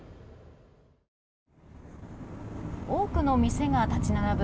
多くの店が立ち並ぶ